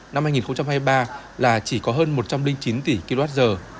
ba nghìn ba trăm bảy mươi sáu năm hai nghìn hai mươi ba là chỉ có hơn một trăm linh chín tỷ kwh